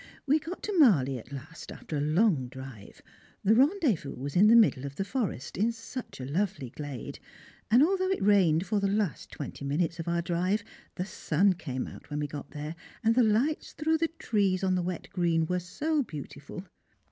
We got to Marly at last after a long drive. The rendezvous was in the middle of the forest, in such a lovely glade, and although it rained for the last twenty minutes of our drive, the sun came out when we got there, and the lights through the trees on the wet green were so beautiful.